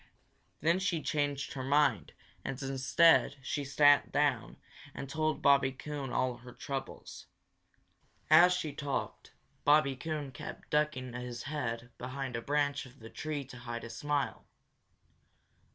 Then she changed her mind and instead she sat down and told Bobby Coon all her troubles. As she talked, Bobby Coon kept ducking his head behind a branch of the tree to hide a smile.